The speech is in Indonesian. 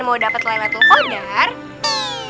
mau dapet laya tukau datang